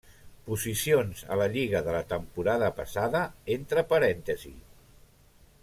Posicions a la lliga de la temporada passada entre parèntesis.